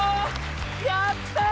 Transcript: やった！